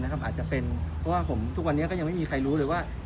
เพราะว่าผมทุกวันนี้ยังไม่มีใครรู้เลยว่า